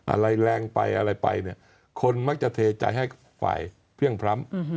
อะไรแรงไปอะไรไปเนี่ยคนมักจะเทใจให้ฝ่ายเพลี่ยงพร้ำ